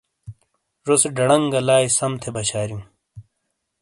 زو سے ڈَڈَنگ گہ لائی سَم تھے بَشارِیوں۔